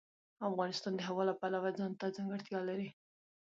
افغانستان د هوا د پلوه ځانته ځانګړتیا لري.